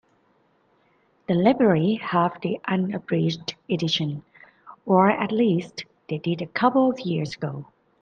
The library have the unabridged edition, or at least they did a couple of years ago.